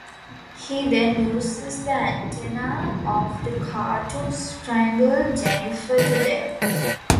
He then uses the antenna of the car to strangle Jennifer to death.